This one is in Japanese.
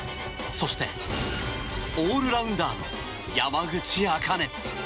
そしてオールラウンダーの山口茜。